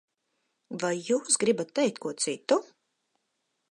Vai jūs gribat teikt ko citu?